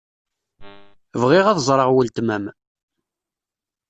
Bɣiɣ ad ẓṛeɣ weltma-m.